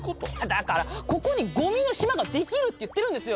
だからここにごみの島ができるって言ってるんですよ！